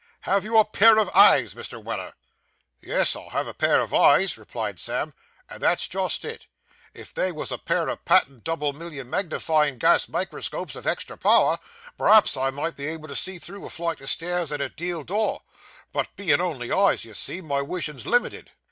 Have you a pair of eyes, Mr. Weller?' 'Yes, I have a pair of eyes,' replied Sam, 'and that's just it. If they wos a pair o' patent double million magnifyin' gas microscopes of hextra power, p'raps I might be able to see through a flight o' stairs and a deal door; but bein' only eyes, you see, my wision 's limited.